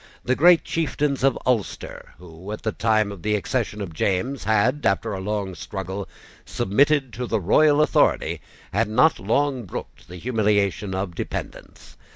The great chieftains of Ulster, who, at the time of the accession of James, had, after a long struggle, submitted to the royal authority, had not long brooked the humiliation of dependence.